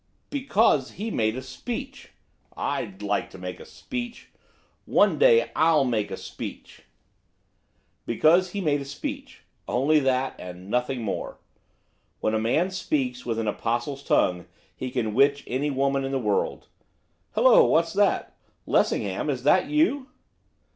'Because he made a speech. I'd like to make a speech. One day I'll make a speech.' 'Because he made a speech, only that, and nothing more! When a man speaks with an Apostle's tongue, he can witch any woman in the land. Hallo, who's that? Lessingham, is that you?